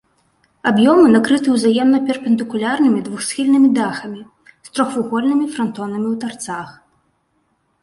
Аб'ёмы накрыты ўзаемна перпендыкулярнымі двухсхільнымі дахамі з трохвугольнымі франтонамі ў тарцах.